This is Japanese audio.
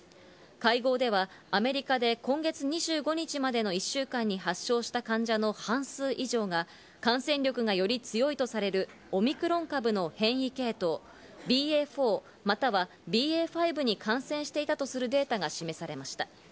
会合ではアメリカで今月２５日までの１週間に発症した患者の半数以上が感染力がより強いとされるオミクロン株の変異系統、ＢＡ．４、またはＢＡ．５に感染していたとするデータが示されました。